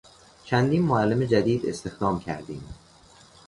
چندین معلم جدید استخدام کردیم.